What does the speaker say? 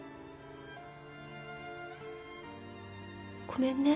ごめんね。